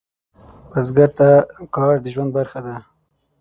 بزګر ته کار د ژوند برخه ده